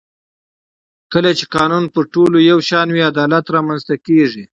کله چې قانون پر ټولو یو شان وي عدالت رامنځته کېږي